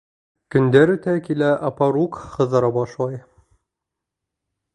Көндәр үтә килә апаруҡ һыҙҙыра башлай.